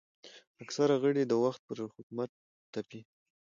اکثره غړي د وخت پر حکومت تپي